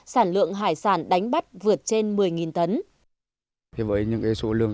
sản lượng hải sản đánh bắt vượt trên một mươi tấn